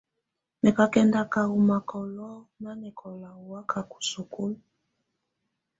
Mɛ̀ kà kɛndaka ù makɔlɔ̀ nanɛkɔ̀la û wakaka ù sukulu.